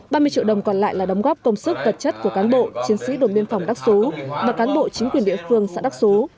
ba mươi triệu đồng còn lại là đóng góp công sức vật chất của cán bộ chiến sĩ đồn biên phòng đắc xú và cán bộ chính quyền địa phương xã đắc xú